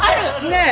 ねえ！